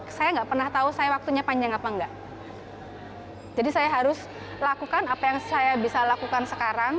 saya nggak pernah tahu saya waktunya panjang apa enggak jadi saya harus lakukan apa yang saya bisa lakukan sekarang